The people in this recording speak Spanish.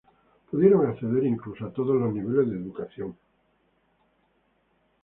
Pudieron acceder incluso a todos los niveles de educación.